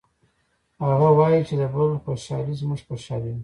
هغه وایي چې د بل خوشحالي زموږ خوشحالي ده